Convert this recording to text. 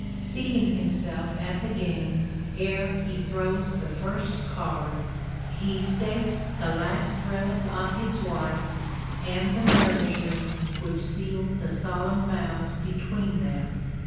Seating himself at the game ere he throws the first card, he stakes the last relic of his wife, and the marriage ring which sealed the solemn vows between them.